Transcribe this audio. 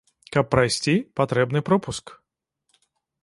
Каб прайсці, патрэбны пропуск.